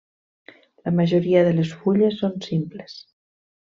La majoria de les fulles són simples.